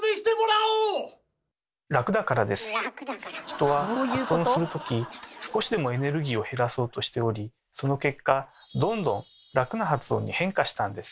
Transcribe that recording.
⁉人は発音するとき少しでもエネルギーを減らそうとしておりその結果どんどん楽な発音に変化したんです。